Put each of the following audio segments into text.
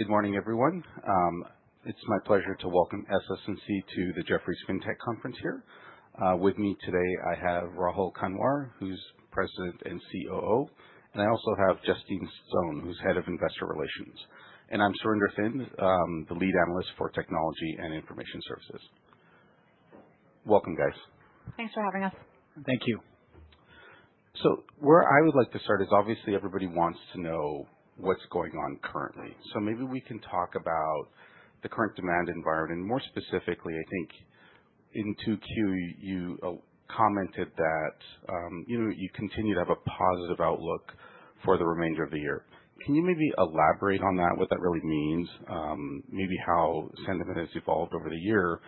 Good morning, everyone. It's my pleasure to welcome SS&C to the Jefferies FinTech Conference here. With me today, I have Rahul Kanwar, who's President and COO, and I also have Justine Stone, who's Head of Investor Relations, and I'm Surinder Thind, the Lead Analyst for technology and information services. Welcome, guys. Thanks for having us. Thank you. Where I would like to start is, obviously, everybody wants to know what's going on currently. Maybe we can talk about the current demand environment. More specifically, I think in Q2, you commented that you continue to have a positive outlook for the remainder of the year. Can you maybe elaborate on that, what that really means, maybe how sentiment has evolved over the year,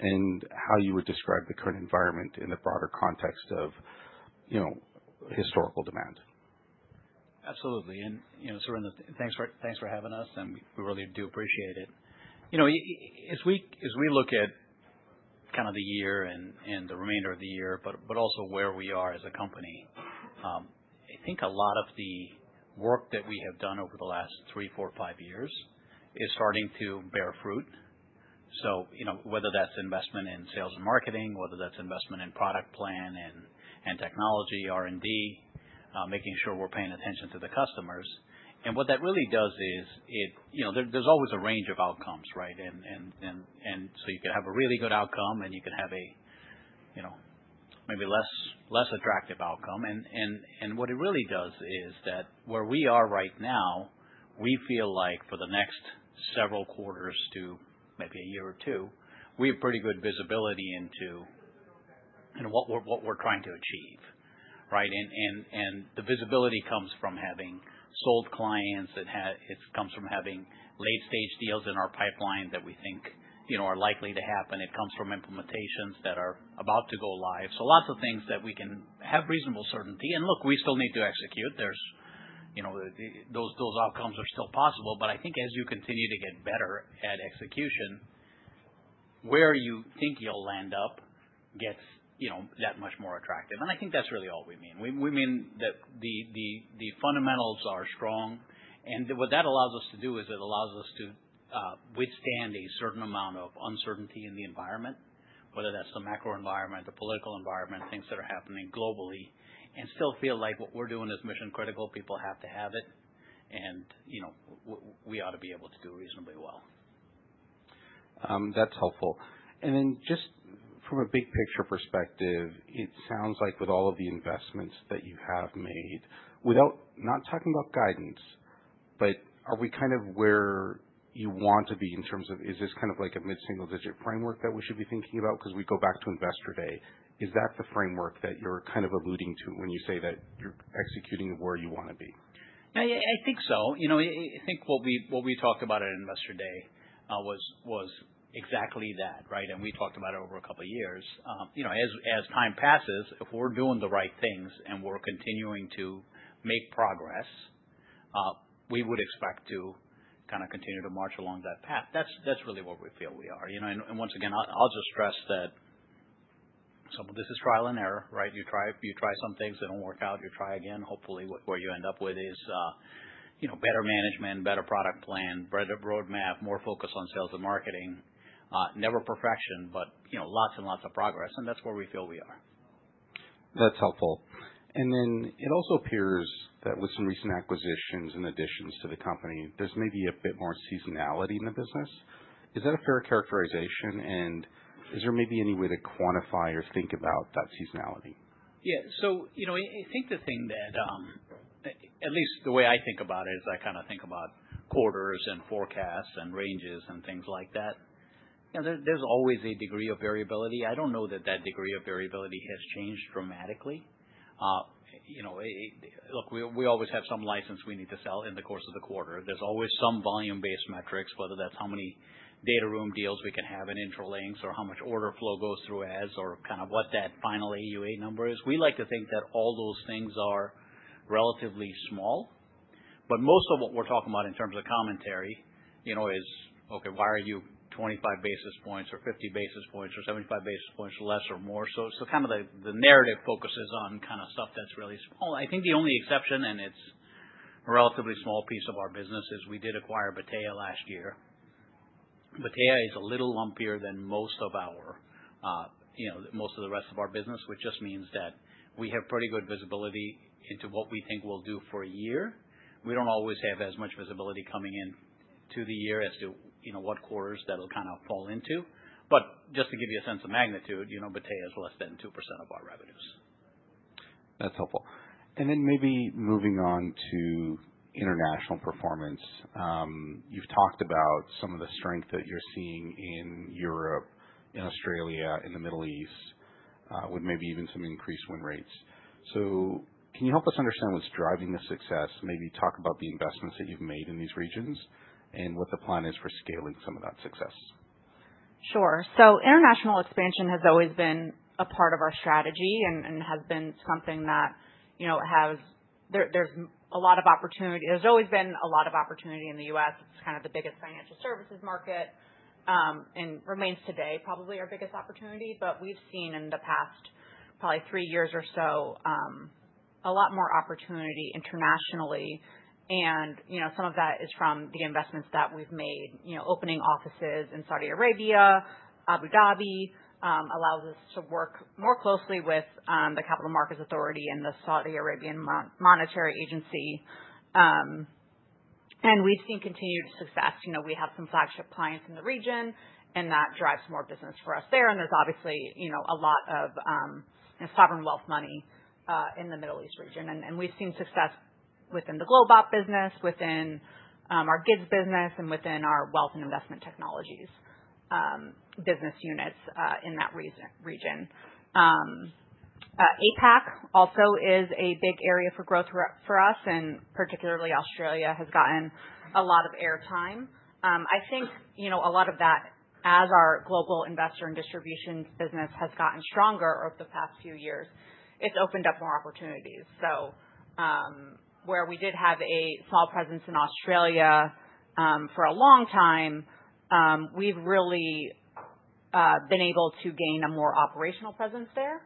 and how you would describe the current environment in the broader context of historical demand? Absolutely. And Surinder, thanks for having us, and we really do appreciate it. As we look at kind of the year and the remainder of the year, but also where we are as a company, I think a lot of the work that we have done over the last three, four, five years is starting to bear fruit. So whether that's investment in sales and marketing, whether that's investment in product plan and technology, R&D, making sure we're paying attention to the customers. And what that really does is there's always a range of outcomes, right? And so you can have a really good outcome, and you can have a maybe less attractive outcome. And what it really does is that where we are right now, we feel like for the next several quarters to maybe a year or two, we have pretty good visibility into what we're trying to achieve, right? And the visibility comes from having sold clients. It comes from having late-stage deals in our pipeline that we think are likely to happen. It comes from implementations that are about to go live. So lots of things that we can have reasonable certainty. And look, we still need to execute. Those outcomes are still possible. But I think as you continue to get better at execution, where you think you'll land up gets that much more attractive. And I think that's really all we mean. We mean that the fundamentals are strong. What that allows us to do is it allows us to withstand a certain amount of uncertainty in the environment, whether that's the macro environment, the political environment, things that are happening globally, and still feel like what we're doing is mission-critical. People have to have it. And we ought to be able to do reasonably well. That's helpful. And then just from a big-picture perspective, it sounds like with all of the investments that you have made, without not talking about guidance, but are we kind of where you want to be in terms of is this kind of like a mid-single-digit framework that we should be thinking about because we go back to Investor Day? Is that the framework that you're kind of alluding to when you say that you're executing where you want to be? I think so. I think what we talked about at Investor Day was exactly that, right? And we talked about it over a couple of years. As time passes, if we're doing the right things and we're continuing to make progress, we would expect to kind of continue to march along that path. That's really where we feel we are. And once again, I'll just stress that some of this is trial and error, right? You try some things. They don't work out. You try again. Hopefully, what you end up with is better management, better product plan, better roadmap, more focus on sales and marketing. Never perfection, but lots and lots of progress. And that's where we feel we are. That's helpful. And then it also appears that with some recent acquisitions and additions to the company, there's maybe a bit more seasonality in the business. Is that a fair characterization? And is there maybe any way to quantify or think about that seasonality? Yeah. So I think the thing that at least the way I think about it is I kind of think about quarters and forecasts and ranges and things like that. There's always a degree of variability. I don't know that that degree of variability has changed dramatically. Look, we always have some license we need to sell in the course of the quarter. There's always some volume-based metrics, whether that's how many data room deals we can have in Intralinks or how much order flow goes through Advent or kind of what that final AuA number is. We like to think that all those things are relatively small. But most of what we're talking about in terms of commentary is, okay, why are you 25 basis points or 50 basis points or 75 basis points less or more? So kind of the narrative focuses on kind of stuff that's really small. I think the only exception, and it's a relatively small piece of our business, is we did acquire Battea last year. Battea is a little lumpier than most of the rest of our business, which just means that we have pretty good visibility into what we think we'll do for a year. We don't always have as much visibility coming into the year as to what quarters that'll kind of fall into. But just to give you a sense of magnitude, Battea is less than 2% of our revenues. That's helpful. And then maybe moving on to international performance, you've talked about some of the strength that you're seeing in Europe, in Australia, in the Middle East, with maybe even some increased win rates. So can you help us understand what's driving the success? Maybe talk about the investments that you've made in these regions and what the plan is for scaling some of that success. Sure. So international expansion has always been a part of our strategy and has been something that there's a lot of opportunity. There's always been a lot of opportunity in the U.S. It's kind of the biggest financial services market and remains today probably our biggest opportunity. But we've seen in the past probably three years or so a lot more opportunity internationally. And some of that is from the investments that we've made. Opening offices in Saudi Arabia, Abu Dhabi allows us to work more closely with the Capital Market Authority and the Saudi Arabian Monetary Authority. And we've seen continued success. We have some flagship clients in the region, and that drives more business for us there. And there's obviously a lot of sovereign wealth money in the Middle East region. And we've seen success within the GlobeOp business, within our GIDS business, and within our wealth and investment technologies business units in that region. APAC also is a big area for growth for us, and particularly Australia has gotten a lot of airtime. I think a lot of that, as our global investor and distribution business has gotten stronger over the past few years, it's opened up more opportunities. So where we did have a small presence in Australia for a long time, we've really been able to gain a more operational presence there.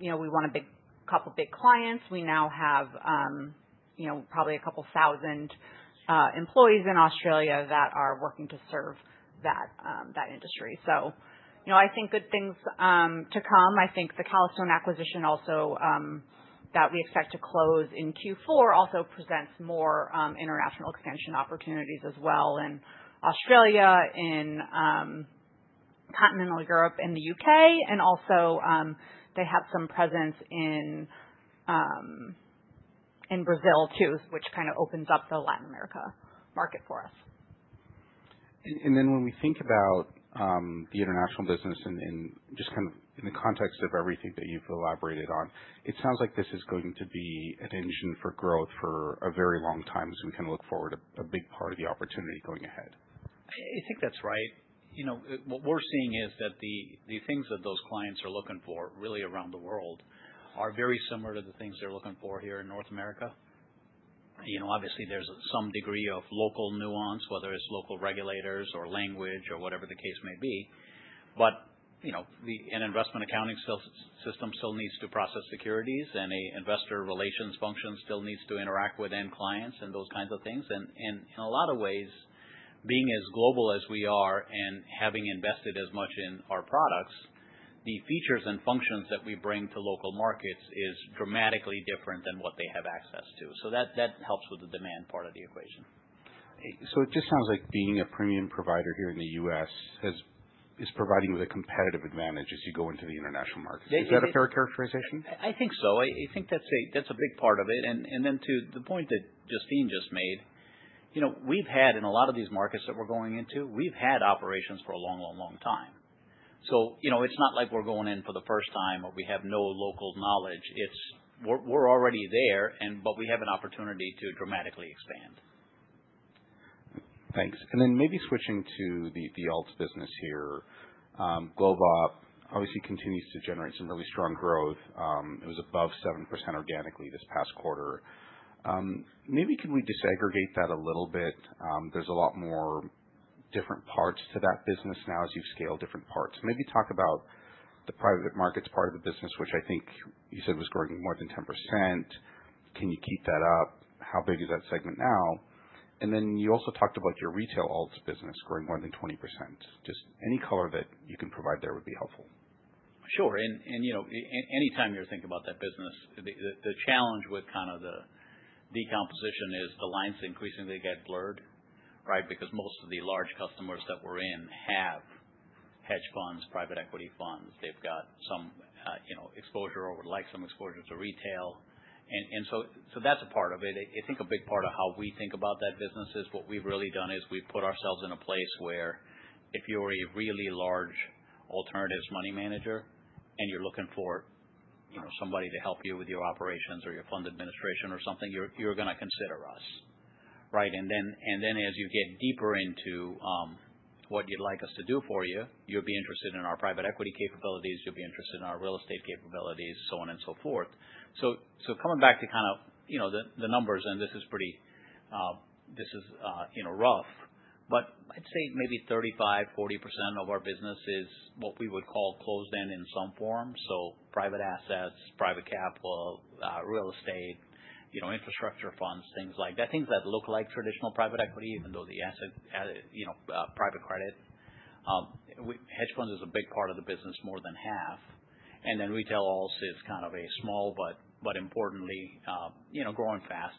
We won a couple of big clients. We now have probably a couple of thousand employees in Australia that are working to serve that industry. So I think good things to come. I think the Calastone acquisition also that we expect to close in Q4 also presents more international expansion opportunities as well in Australia, in continental Europe, in the U.K. and also they have some presence in Brazil too, which kind of opens up the Latin America market for us. And then when we think about the international business and just kind of in the context of everything that you've elaborated on, it sounds like this is going to be an engine for growth for a very long time as we kind of look forward to a big part of the opportunity going ahead. I think that's right. What we're seeing is that the things that those clients are looking for really around the world are very similar to the things they're looking for here in North America. Obviously, there's some degree of local nuance, whether it's local regulators or language or whatever the case may be. But an investment accounting system still needs to process securities, and an investor relations function still needs to interact with end clients and those kinds of things. And in a lot of ways, being as global as we are and having invested as much in our products, the features and functions that we bring to local markets is dramatically different than what they have access to. So that helps with the demand part of the equation. So it just sounds like being a premium provider here in the U.S. is providing you with a competitive advantage as you go into the international markets. Is that a fair characterization? I think so. I think that's a big part of it. And then to the point that Justine just made, we've had in a lot of these markets that we're going into, we've had operations for a long, long, long time. So it's not like we're going in for the first time or we have no local knowledge. We're already there, but we have an opportunity to dramatically expand. Thanks. And then maybe switching to the alts business here, GlobeOp obviously continues to generate some really strong growth. It was above 7% organically this past quarter. Maybe could we disaggregate that a little bit? There's a lot more different parts to that business now as you've scaled different parts. Maybe talk about the private markets part of the business, which I think you said was growing more than 10%. Can you keep that up? How big is that segment now? And then you also talked about your retail alts business growing more than 20%. Just any color that you can provide there would be helpful. Sure. And anytime you're thinking about that business, the challenge with kind of the decomposition is the lines increasingly get blurred, right? Because most of the large customers that we're in have hedge funds, private equity funds. They've got some exposure or would like some exposure to retail. And so that's a part of it. I think a big part of how we think about that business is what we've really done is we've put ourselves in a place where if you're a really large alternatives money manager and you're looking for somebody to help you with your operations or your fund administration or something, you're going to consider us, right? And then as you get deeper into what you'd like us to do for you, you'll be interested in our private equity capabilities. You'll be interested in our real estate capabilities, so on and so forth. So coming back to kind of the numbers, and this is pretty rough, but I'd say maybe 35%-40% of our business is what we would call closed end in some form. So private assets, private capital, real estate, infrastructure funds, things like that, things that look like traditional private equity, even though the asset private credit. Hedge funds is a big part of the business, more than half. And then retail alts is kind of a small, but importantly growing fast.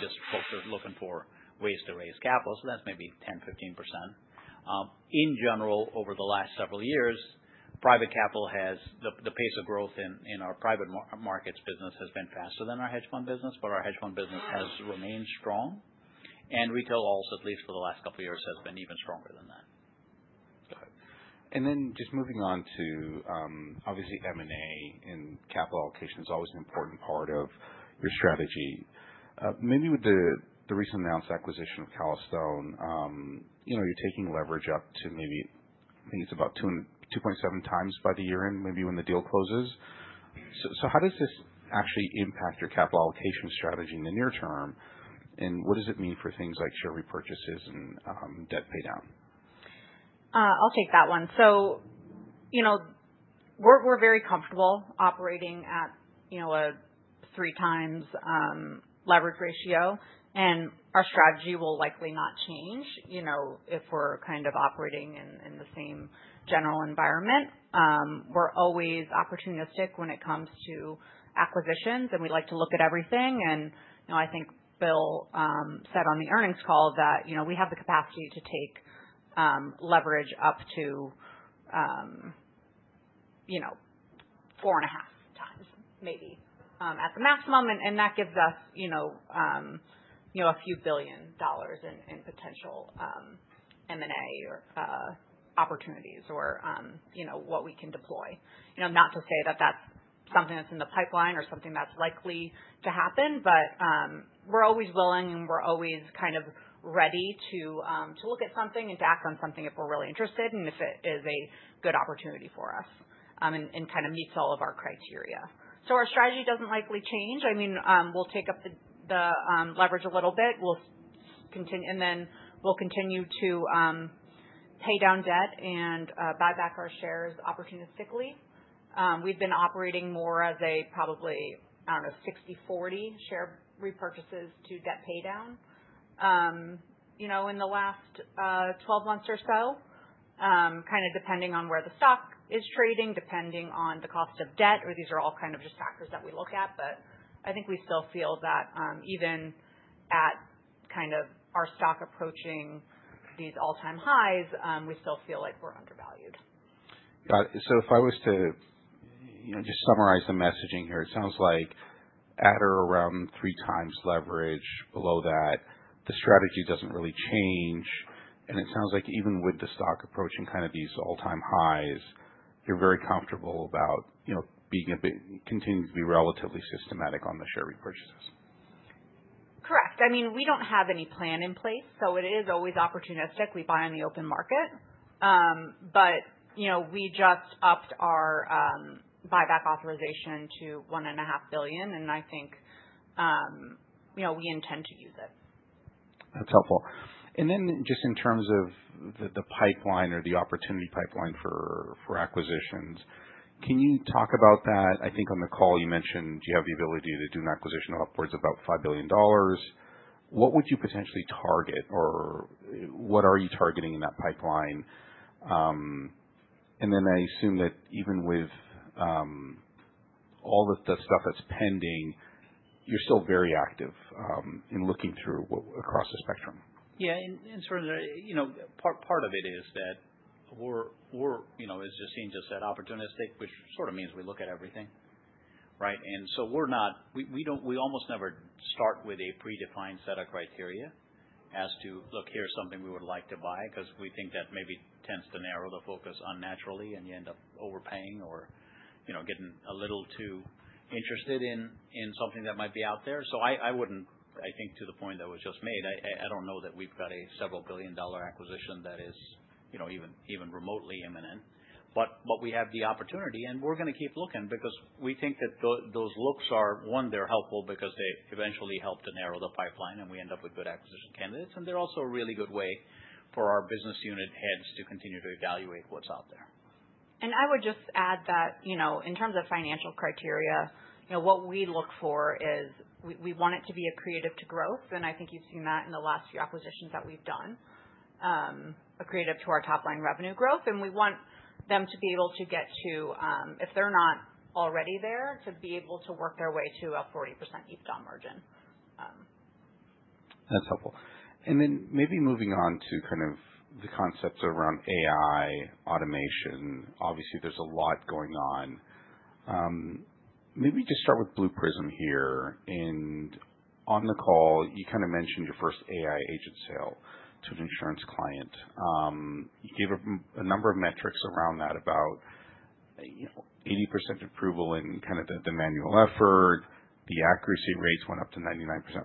Just folks are looking for ways to raise capital. So that's maybe 10%-15%. In general, over the last several years, private capital has the pace of growth in our private markets business has been faster than our hedge fund business, but our hedge fund business has remained strong. Retail Alts, at least for the last couple of years, has been even stronger than that. Then just moving on to obviously M&A and capital allocation, which is always an important part of your strategy. With the recent announced acquisition of Calastone, you're taking leverage up to maybe I think it's about 2.7x by year-end, maybe when the deal closes. How does this actually impact your capital allocation strategy in the near term? What does it mean for things like share repurchases and debt paydown? I'll take that one, so we're very comfortable operating at a 3x leverage ratio, and our strategy will likely not change if we're kind of operating in the same general environment. We're always opportunistic when it comes to acquisitions, and we like to look at everything. And I think Bill said on the earnings call that we have the capacity to take leverage up to four and a half times maybe at the maximum. And that gives us a few billion dollars in potential M&A or opportunities or what we can deploy. Not to say that that's something that's in the pipeline or something that's likely to happen, but we're always willing and we're always kind of ready to look at something and to act on something if we're really interested and if it is a good opportunity for us and kind of meets all of our criteria. Our strategy doesn't likely change. I mean, we'll take up the leverage a little bit. We'll continue to pay down debt and buy back our shares opportunistically. We've been operating more as a probably, I don't know, 60/40 share repurchases to debt paydown in the last 12 months or so, kind of depending on where the stock is trading, depending on the cost of debt, or these are all kind of just factors that we look at. I think we still feel that even at kind of our stock approaching these all-time highs, we still feel like we're undervalued. Got it. So if I was to just summarize the messaging here, it sounds like at or around three times leverage, below that, the strategy doesn't really change. And it sounds like even with the stock approaching kind of these all-time highs, you're very comfortable about being continuing to be relatively systematic on the share repurchases. Correct. I mean, we don't have any plan in place, so it is always opportunistic. We buy on the open market. But we just upped our buyback authorization to $1,500,000,000, and I think we intend to use it. That's helpful. And then just in terms of the pipeline or the opportunity pipeline for acquisitions, can you talk about that? I think on the call you mentioned you have the ability to do an acquisition of upwards of about $5,000,000,000. What would you potentially target, or what are you targeting in that pipeline? And then I assume that even with all the stuff that's pending, you're still very active in looking through across the spectrum. Yeah. And sort of part of it is that we're, as Justine just said, opportunistic, which sort of means we look at everything, right? And so we almost never start with a predefined set of criteria as to, Look, here's something we would like to buy, because we think that maybe tends to narrow the focus unnaturally, and you end up overpaying or getting a little too interested in something that might be out there. So I wouldn't, I think, to the point that was just made, I don't know that we've got a several billion-dollar acquisition that is even remotely imminent. But we have the opportunity, and we're going to keep looking because we think that those looks are, one, they're helpful because they eventually help to narrow the pipeline, and we end up with good acquisition candidates. They're also a really good way for our business unit heads to continue to evaluate what's out there. And I would just add that in terms of financial criteria, what we look for is we want it to be accretive to growth. And I think you've seen that in the last few acquisitions that we've done, accretive to our top line revenue growth. And we want them to be able to get to, if they're not already there, to be able to work their way to a 40% EBITDA margin. That's helpful. And then maybe moving on to kind of the concepts around AI, automation, obviously there's a lot going on. Maybe just start with Blue Prism here. And on the call, you kind of mentioned your first AI agent sale to an insurance client. You gave a number of metrics around that, about 80% approval in kind of the manual effort. The accuracy rates went up to 99.6%.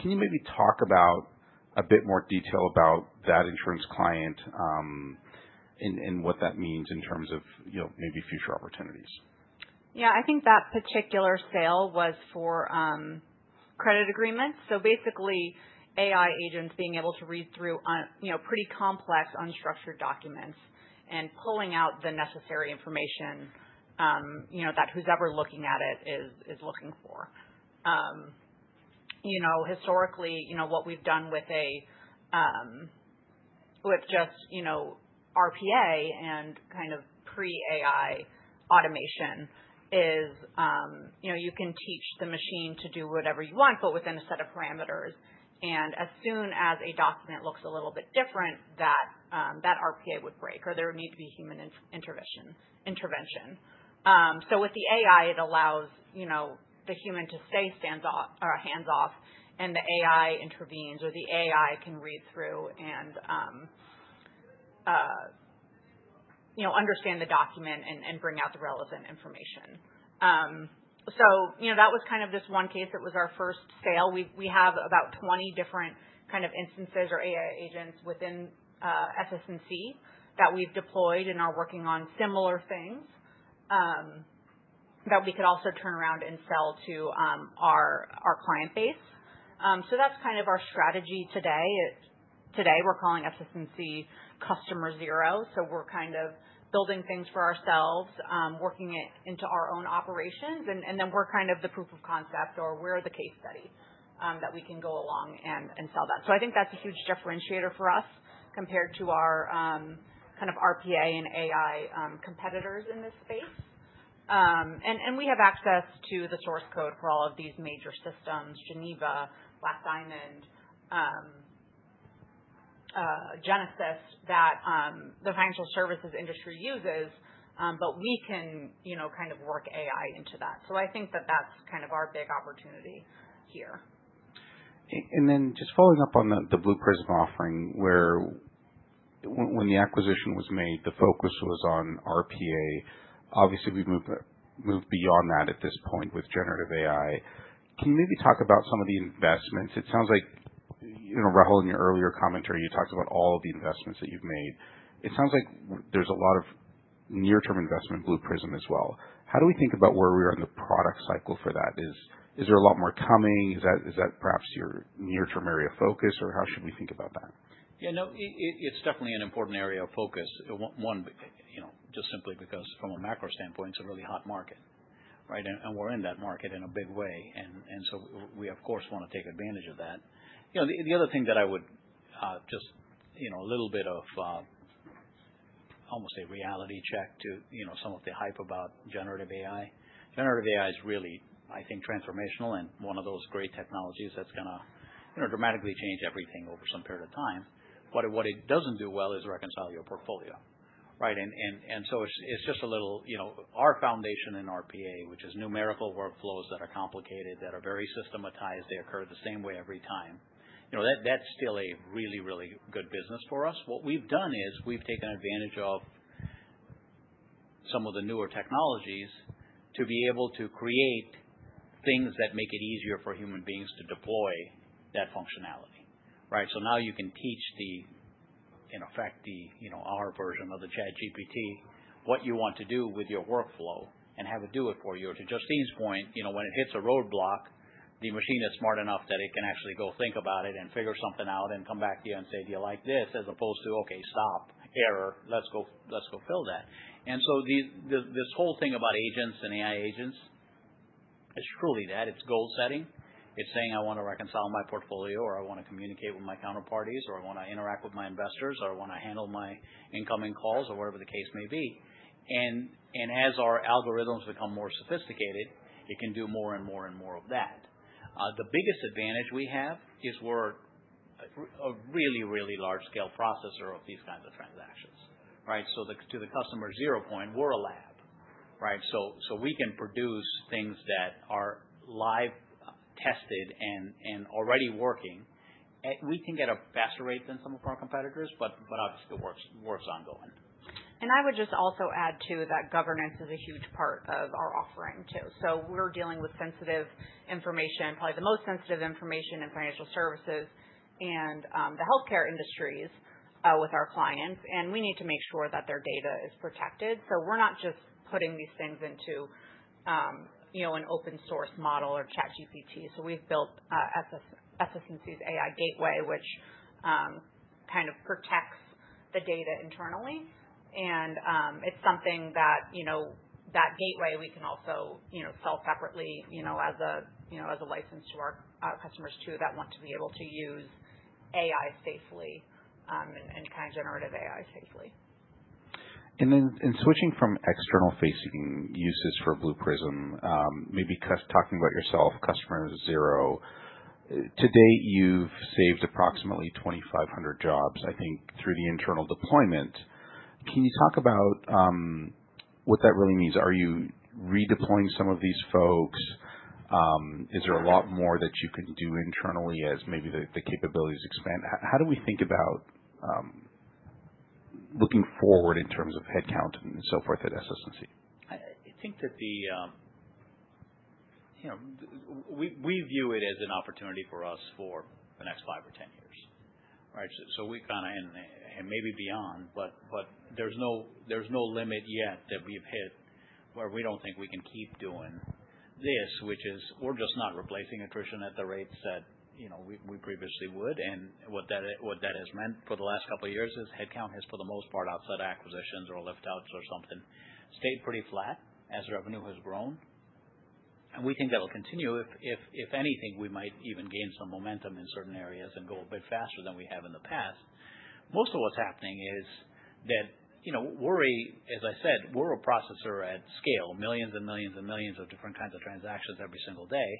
Can you maybe talk about a bit more detail about that insurance client and what that means in terms of maybe future opportunities? Yeah. I think that particular sale was for credit agreements. So basically, AI agents being able to read through pretty complex unstructured documents and pulling out the necessary information that whoever's looking at it is looking for. Historically, what we've done with just RPA and kind of pre-AI automation is you can teach the machine to do whatever you want, but within a set of parameters. And as soon as a document looks a little bit different, that RPA would break or there would need to be human intervention. So with the AI, it allows the human to stay hands off, and the AI intervenes, or the AI can read through and understand the document and bring out the relevant information. So that was kind of this one case. It was our first sale. We have about 20 different kind of instances or AI agents within SS&C that we've deployed and are working on similar things that we could also turn around and sell to our client base, so that's kind of our strategy today. Today, we're calling SS&C Customer Zero, so we're kind of building things for ourselves, working it into our own operations, and then we're kind of the proof of concept or we're the case study that we can go along and sell that, so I think that's a huge differentiator for us compared to our kind of RPA and AI competitors in this space, and we have access to the source code for all of these major systems: Geneva, Black Diamond, Genesis that the financial services industry uses, but we can kind of work AI into that, so I think that that's kind of our big opportunity here. And then, just following up on the Blue Prism offering, where when the acquisition was made, the focus was on RPA. Obviously, we've moved beyond that at this point with generative AI. Can you maybe talk about some of the investments? It sounds like, Rahul, in your earlier commentary, you talked about all of the investments that you've made. It sounds like there's a lot of near-term investment in Blue Prism as well. How do we think about where we are in the product cycle for that? Is there a lot more coming? Is that perhaps your near-term area of focus, or how should we think about that? Yeah. No, it's definitely an important area of focus. One, just simply because from a macro standpoint, it's a really hot market, right? And we're in that market in a big way. And so we, of course, want to take advantage of that. The other thing that I would just a little bit of almost a reality check to some of the hype about generative AI. Generative AI is really, I think, transformational and one of those great technologies that's going to dramatically change everything over some period of time. What it doesn't do well is reconcile your portfolio, right? And so it's just a little our foundation in RPA, which is numerical workflows that are complicated, that are very systematized. They occur the same way every time. That's still a really, really good business for us. What we've done is we've taken advantage of some of the newer technologies to be able to create things that make it easier for human beings to deploy that functionality, right? So now you can teach the, in effect, our version of the ChatGPT what you want to do with your workflow and have it do it for you. Or to Justine's point, when it hits a roadblock, the machine is smart enough that it can actually go think about it and figure something out and come back to you and say, Do you like this? as opposed to, Okay, stop, error, let's go fill that. And so this whole thing about agents and AI agents, it's truly that. It's goal setting. It's saying, I want to reconcile my portfolio, or, I want to communicate with my counterparties, or, I want to interact with my investors, or, I want to handle my incoming calls, or whatever the case may be. And as our algorithms become more sophisticated, it can do more and more and more of that. The biggest advantage we have is we're a really, really large-scale processor of these kinds of transactions, right? So to the Customer Zero point, we're a lab, right? So we can produce things that are live tested and already working. We can get a faster rate than some of our competitors, but obviously it works ongoing. I would just also add too that governance is a huge part of our offering too. We're dealing with sensitive information, probably the most sensitive information in financial services and the healthcare industries with our clients. We need to make sure that their data is protected. We're not just putting these things into an open-source model or ChatGPT. We've built SS&C's AI Gateway, which kind of protects the data internally. It's something that the gateway we can also sell separately as a license to our customers too that want to be able to use AI safely and kind of generative AI safely. Switching from external-facing uses for Blue Prism, maybe talking about yourself, Customer Zero, today you've saved approximately 2,500 jobs, I think, through the internal deployment. Can you talk about what that really means? Are you redeploying some of these folks? Is there a lot more that you can do internally as maybe the capabilities expand? How do we think about looking forward in terms of headcount and so forth at SS&C? I think that we view it as an opportunity for us for the next five or 10 years, right? So we kind of, and maybe beyond, but there's no limit yet that we've hit where we don't think we can keep doing this, which is we're just not replacing attrition at the rates that we previously would. And what that has meant for the last couple of years is headcount has for the most part outside acquisitions or lift-outs or something stayed pretty flat as revenue has grown. And we think that will continue. If anything, we might even gain some momentum in certain areas and go a bit faster than we have in the past. Most of what's happening is that we're, as I said, we're a processor at scale, millions and millions and millions of different kinds of transactions every single day,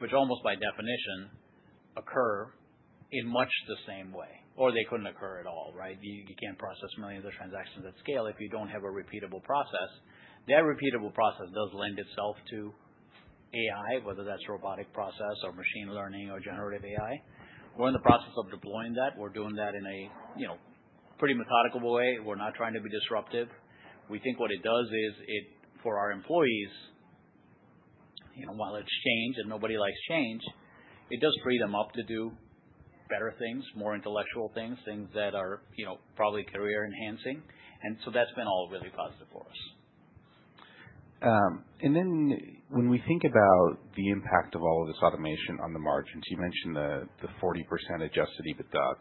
which almost by definition occur in much the same way, or they couldn't occur at all, right? You can't process millions of transactions at scale if you don't have a repeatable process. That repeatable process does lend itself to AI, whether that's robotic process or machine learning or generative AI. We're in the process of deploying that. We're doing that in a pretty methodical way. We're not trying to be disruptive. We think what it does is for our employees, while it's change and nobody likes change, it does free them up to do better things, more intellectual things, things that are probably career-enhancing, and so that's been all really positive for us. And then, when we think about the impact of all of this automation on the margins, you mentioned the 40% adjusted EBITDA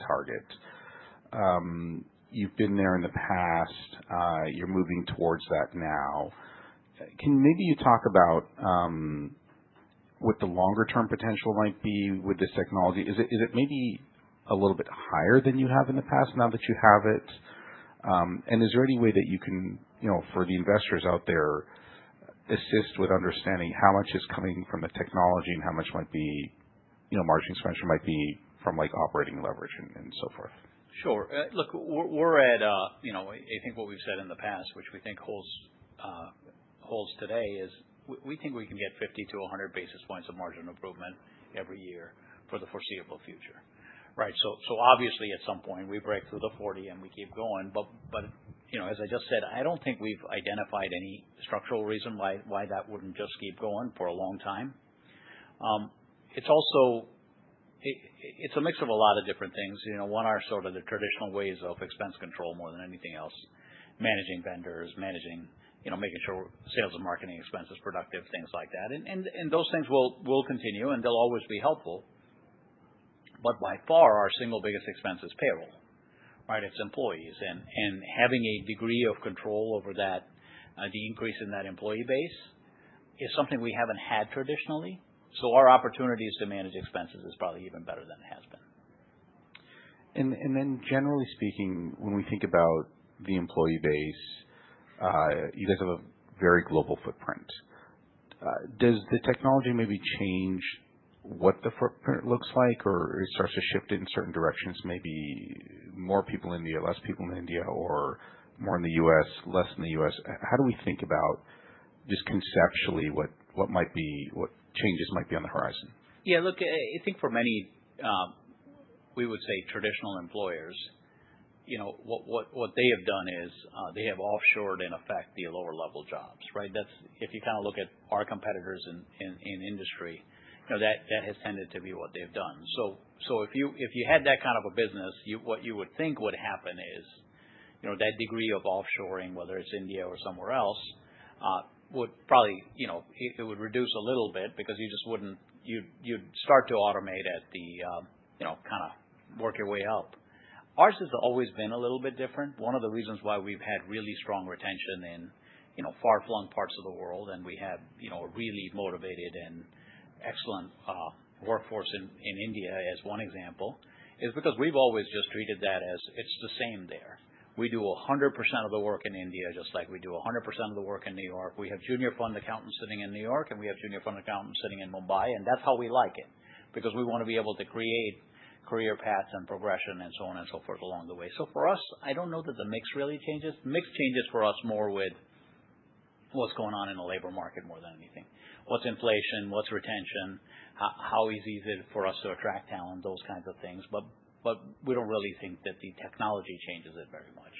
target. You've been there in the past. You're moving towards that now. Can you maybe talk about what the longer-term potential might be with this technology? Is it maybe a little bit higher than you have in the past now that you have it? And is there any way that you can, for the investors out there, assist with understanding how much is coming from the technology and how much margin expansion might be from operating leverage and so forth? Sure. Look, we're at, I think what we've said in the past, which we think holds today, is we think we can get 50 to 100 basis points of margin improvement every year for the foreseeable future, right? So obviously, at some point, we break through the 40 and we keep going. But as I just said, I don't think we've identified any structural reason why that wouldn't just keep going for a long time. It's a mix of a lot of different things. One are sort of the traditional ways of expense control more than anything else, managing vendors, making sure sales and marketing expense is productive, things like that. And those things will continue and they'll always be helpful. But by far, our single biggest expense is payroll, right? It's employees. Having a degree of control over the increase in that employee base is something we haven't had traditionally. Our opportunities to manage expenses is probably even better than it has been. And then generally speaking, when we think about the employee base, you guys have a very global footprint. Does the technology maybe change what the footprint looks like or it starts to shift in certain directions, maybe more people in India, less people in India, or more in the U.S., less in the U.S.? How do we think about just conceptually what changes might be on the horizon? Yeah. Look, I think for many, we would say traditional employers, what they have done is they have offshored, in effect, the lower-level jobs, right? If you kind of look at our competitors in industry, that has tended to be what they've done. So if you had that kind of a business, what you would think would happen is that degree of offshoring, whether it's India or somewhere else, would probably reduce a little bit because you'd start to automate at the kind of work your way up. Ours has always been a little bit different. One of the reasons why we've had really strong retention in far-flung parts of the world, and we have a really motivated and excellent workforce in India, as one example, is because we've always just treated that as it's the same there. We do 100% of the work in India just like we do 100% of the work in New York. We have junior fund accountants sitting in New York, and we have junior fund accountants sitting in Mumbai. And that's how we like it because we want to be able to create career paths and progression and so on and so forth along the way. So for us, I don't know that the mix really changes. The mix changes for us more with what's going on in the labor market more than anything. What's inflation? What's retention? How easy is it for us to attract talent? Those kinds of things. But we don't really think that the technology changes it very much.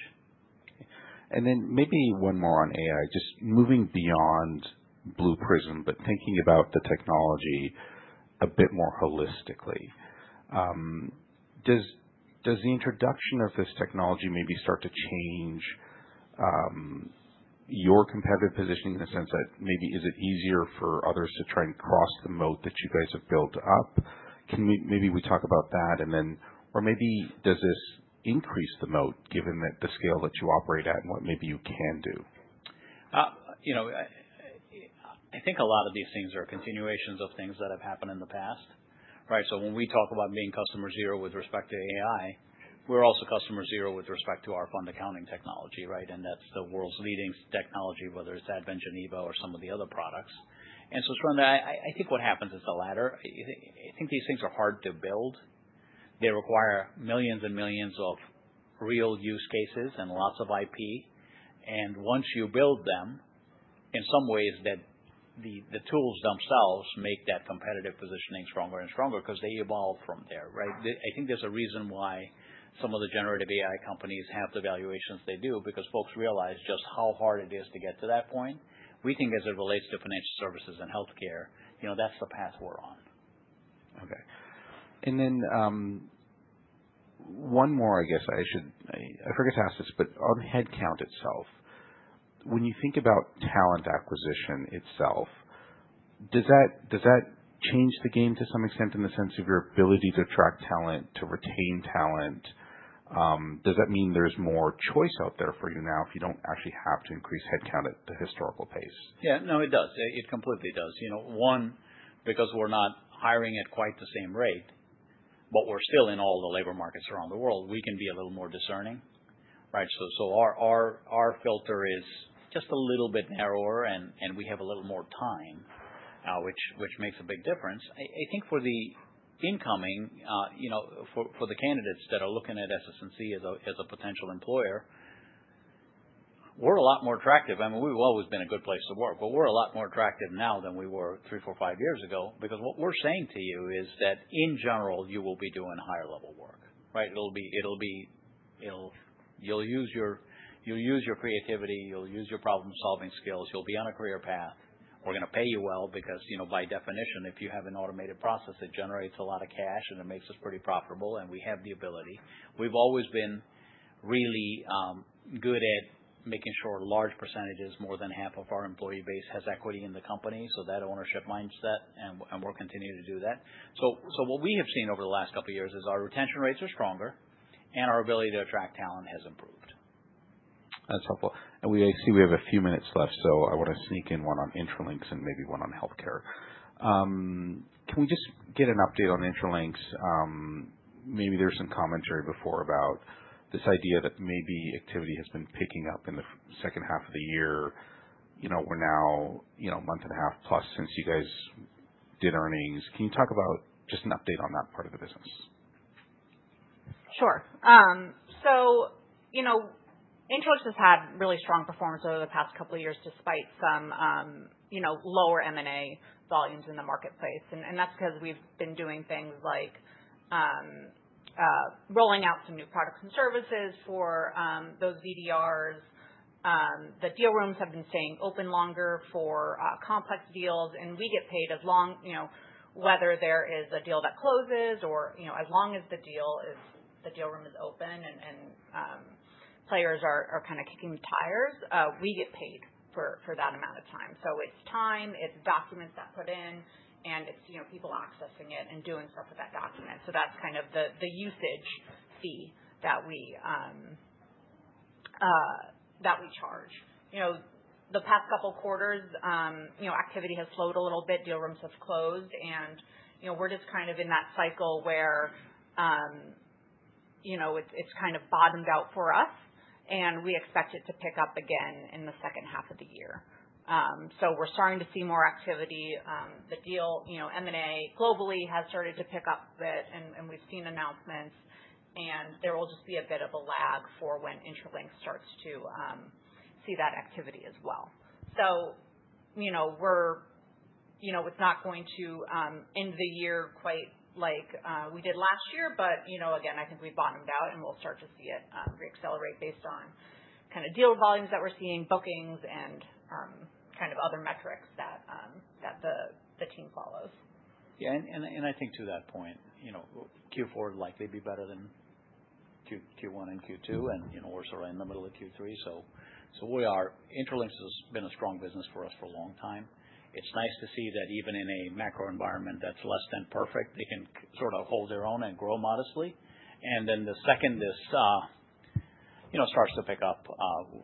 And then maybe one more on AI. Just moving beyond Blue Prism, but thinking about the technology a bit more holistically, does the introduction of this technology maybe start to change your competitive positioning in the sense that maybe is it easier for others to try and cross the moat that you guys have built up? Can maybe we talk about that? Or maybe does this increase the moat given the scale that you operate at and what maybe you can do? I think a lot of these things are continuations of things that have happened in the past, right? So when we talk about being Customer Zero with respect to AI, we're also Customer Zero with respect to our fund accounting technology, right? And that's the world's leading technology, whether it's Advent, Geneva, or some of the other products. And so around that, I think what happens is the latter. I think these things are hard to build. They require millions and millions of real use cases and lots of IP. And once you build them, in some ways, the tools themselves make that competitive positioning stronger and stronger because they evolve from there, right? I think there's a reason why some of the generative AI companies have the valuations they do because folks realize just how hard it is to get to that point. We think as it relates to financial services and healthcare, that's the path we're on. Okay. And then one more, I guess I forget to ask this, but on headcount itself, when you think about talent acquisition itself, does that change the game to some extent in the sense of your ability to attract talent, to retain talent? Does that mean there's more choice out there for you now if you don't actually have to increase headcount at the historical pace? Yeah. No, it does. It completely does. One, because we're not hiring at quite the same rate, but we're still in all the labor markets around the world, we can be a little more discerning, right? So our filter is just a little bit narrower, and we have a little more time, which makes a big difference. I think for the incoming, for the candidates that are looking at SS&C as a potential employer, we're a lot more attractive. I mean, we've always been a good place to work, but we're a lot more attractive now than we were three, four, five years ago because what we're saying to you is that in general, you will be doing higher-level work, right? You'll use your creativity. You'll use your problem-solving skills. You'll be on a career path. We're going to pay you well because by definition, if you have an automated process, it generates a lot of cash, and it makes us pretty profitable, and we have the ability. We've always been really good at making sure large percentages, more than half of our employee base, has equity in the company. So that ownership mindset, and we'll continue to do that. So what we have seen over the last couple of years is our retention rates are stronger, and our ability to attract talent has improved. That's helpful. And we see we have a few minutes left, so I want to sneak in one on Intralinks and maybe one on healthcare. Can we just get an update on Intralinks? Maybe there's some commentary before about this idea that maybe activity has been picking up in the second half of the year. We're now a month and a half plus since you guys did earnings. Can you talk about just an update on that part of the business? Sure. So Intralinks has had really strong performance over the past couple of years despite some lower M&A volumes in the marketplace. And that's because we've been doing things like rolling out some new products and services for those VDRs. The deal rooms have been staying open longer for complex deals, and we get paid as long, whether there is a deal that closes or as long as the deal room is open and players are kind of kicking the tires, we get paid for that amount of time. So it's time. It's documents that put in, and it's people accessing it and doing stuff with that document. So that's kind of the usage fee that we charge. The past couple of quarters, activity has slowed a little bit. Deal rooms have closed, and we're just kind of in that cycle where it's kind of bottomed out for us, and we expect it to pick up again in the second half of the year. So we're starting to see more activity. The deal M&A globally has started to pick up a bit, and we've seen announcements, and there will just be a bit of a lag for when Intralinks starts to see that activity as well. So it's not going to end the year quite like we did last year, but again, I think we've bottomed out, and we'll start to see it reaccelerate based on kind of deal volumes that we're seeing, bookings, and kind of other metrics that the team follows. Yeah. And I think to that point, Q4 would likely be better than Q1 and Q2, and we're sort of in the middle of Q3. So Intralinks has been a strong business for us for a long time. It's nice to see that even in a macro environment that's less than perfect, they can sort of hold their own and grow modestly. And then the second this starts to pick up,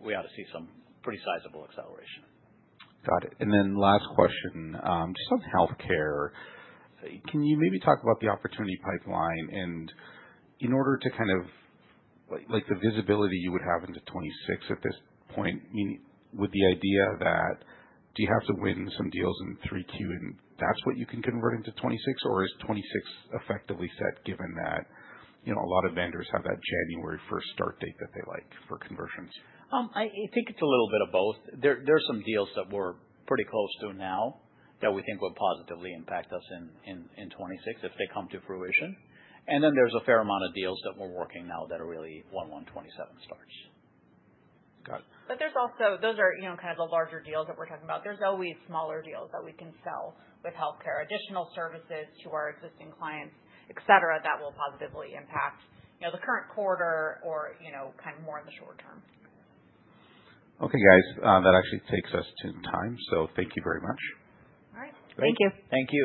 we ought to see some pretty sizable acceleration. Got it. And then last question, just on healthcare. Can you maybe talk about the opportunity pipeline and in order to kind of like the visibility you would have into 2026 at this point, I mean, with the idea that do you have to win some deals in 3Q, and that's what you can convert into 2026, or is 2026 effectively set given that a lot of vendors have that January 1st start date that they like for conversions? I think it's a little bit of both. There's some deals that we're pretty close to now that we think will positively impact us in 2026 if they come to fruition, and then there's a fair amount of deals that we're working now that are really 1/1/27 starts. Got it. But those are kind of the larger deals that we're talking about. There's always smaller deals that we can sell with healthcare, additional services to our existing clients, etc., that will positively impact the current quarter or kind of more in the short term. Okay, guys. That actually takes us to time. So thank you very much. All right. Thank you. Thank you.